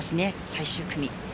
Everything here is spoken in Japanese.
最終組。